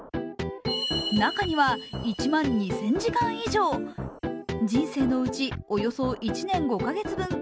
中には１万２０００時間以上、人生のうちおよそ１年５カ月分